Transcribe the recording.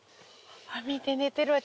見て寝てるわ。